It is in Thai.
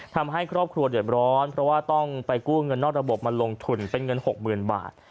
ทำให้ครอบครัวเดือดร้อนเพราะว่าต้องไปกู้เงินนอกระบบมาลงทุนเป็นเงิน๖๐๐๐บาท